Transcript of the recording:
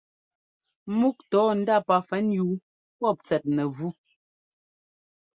Múk ńtɔ́ɔ ndá pafɛnyúu pɔ́p tsɛt nɛvú.